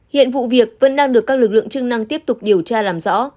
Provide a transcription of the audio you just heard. hiện vụ việc vẫn đang được các lực lượng chức năng tiếp tục điều tra làm rõ